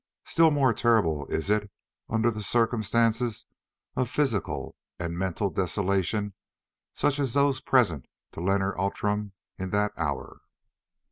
Still more terrible is it under circumstances of physical and mental desolation such as those present to Leonard Outram in that hour.